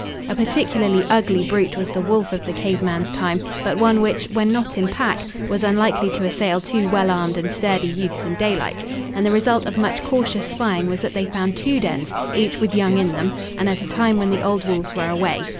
A particularly ugly brute was the wolf of the cave man's time, but one which, when not in pack, was unlikely to assail two well armed and sturdy youths in daylight; and the result of much cautious spying was that they found two dens, each with young in them, and at a time when the old wolves were away.